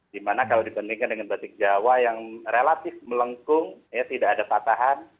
di mana kalau dipandingkan dengan batik jawa yang relatif melengkung ya tidak ada patahan